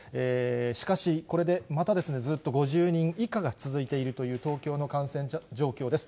しかし、これでまた、ずっと５０人以下が続いているという、東京の感染者状況です。